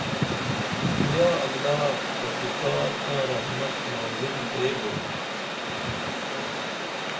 یا اللہ تسو ݜا تاں رحمت نازل بیبو